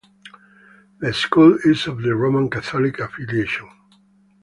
The school is of the Roman Catholic Affiliation.